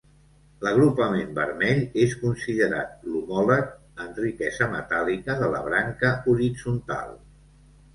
L'agrupament vermell és considerat l'homòleg en riquesa metàl·lica de la branca horitzontal.